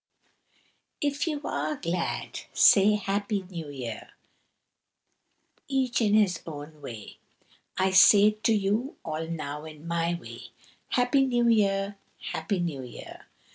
If you are glad, say Happy New Year! each in his own way! I say it to you all now in my way. Happy New Year! Happy New Year!"